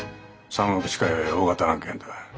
３億近い大型案件だ。